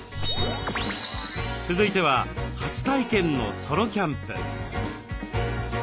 続いては初体験のソロキャンプ。